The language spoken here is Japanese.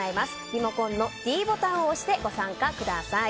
リモコンのｄボタンを押してご参加ください。